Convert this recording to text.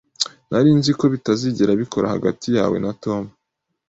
Nari nzi ko bitazigera bikora hagati yawe na Tom.